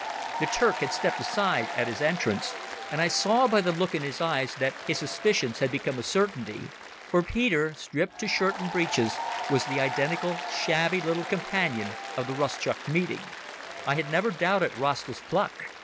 The Turk had stepped aside at his entrance, and I saw by the look in his eyes that his suspicions had become a certainty. For Peter, stripped to shirt and breeches, was the identical shabby little companion of the Rustchuk meeting. I had never doubted Rasta's pluck.